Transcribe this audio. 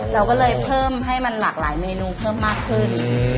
เราก็เลยเพิ่มให้มันหลากหลายเมนูเพิ่มมากขึ้น